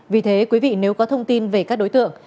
vì thế quý vị nếu có thông tin về các đối tượng